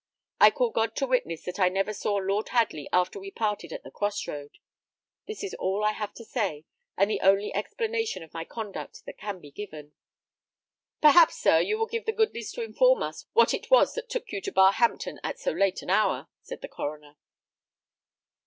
I call God to witness that I never saw Lord Hadley after we parted at the cross road! This is all I have to say, and the only explanation of my conduct that can be given." "Perhaps, sir, you will have the goodness to inform us what it was that took you to Barhampton at so late an hour," said the coroner.